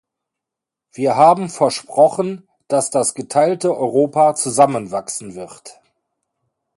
Wir haben versprochen, dass das geteilte Europa zusammenwachsen wird.